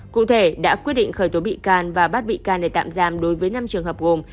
cụ thể đã quyết định khởi tố bị can và bắt bị can để tạm giam đối với năm trường hợp gồm